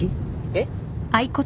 えっ？